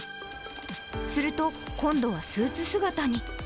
すると今度はスーツ姿に。